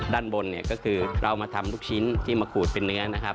ด้านบนเนี่ยก็คือเรามาทำลูกชิ้นที่มาขูดเป็นเนื้อนะครับ